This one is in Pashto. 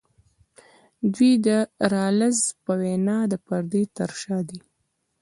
دوی د رالز په وینا د پردې تر شا دي.